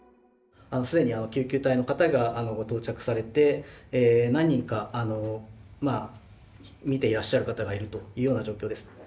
既に救急隊の方がご到着されて何人かあのまあ見ていらっしゃる方がいるというような状況です。